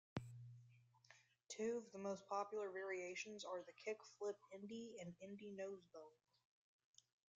Two of the most popular variations are the kickflip Indy and Indy nosebone.